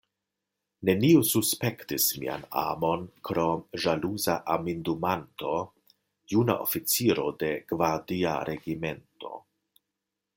Neniu suspektis mian amon krom ĵaluza amindumanto, juna oficiro de gvardia regimento.